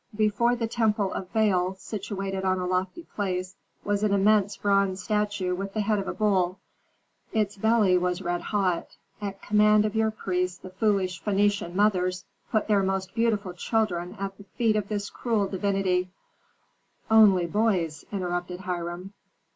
"Before the temple of Baal situated on a lofty place was an immense bronze statue with the head of a bull. Its belly was red hot. At command of your priests the foolish Phœnician mothers put their most beautiful children at the feet of this cruel divinity " "Only boys," interrupted Hiram.